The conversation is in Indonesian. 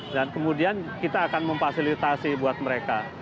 dan kemudian kita akan memfasilitasi buat mereka